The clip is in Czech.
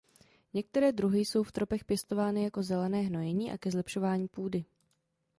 Některé druhy jsou v tropech pěstovány jako zelené hnojení a ke zlepšování půdy.